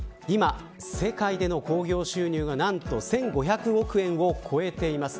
今、世界での興行収入が何と１５００億円を超えています。